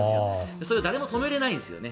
それは誰も止めれないんです。